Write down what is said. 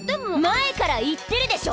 前から言ってるでしょ！